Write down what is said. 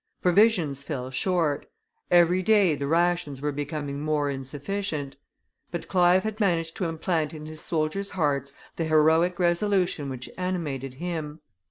Provisions fell short; every day the rations were becoming more insufficient; but Clive had managed to implant in his soldiers' hearts the heroic resolution which animated him.